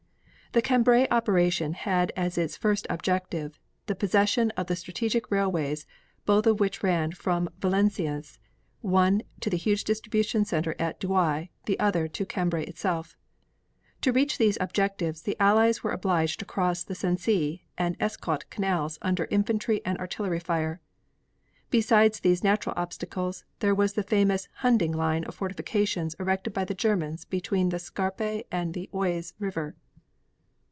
The Cambrai operation had as its first objectives the possession of the strategic railways both of which ran from Valenciennes, one to the huge distribution center at Douai; the other to Cambrai itself. To reach these objectives the Allies were obliged to cross the Sensee and the Escaut canals under infantry and artillery fire. Besides these natural obstacles, there was the famous Hunding line of fortifications erected by the Germans between the Scarpe and the Oise River.